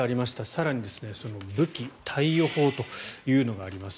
更に、武器貸与法というのがあります。